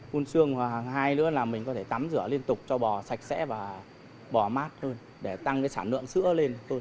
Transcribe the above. phun xương và hai nữa là mình có thể tắm rửa liên tục cho bò sạch sẽ và bỏ mát hơn để tăng cái sản lượng sữa lên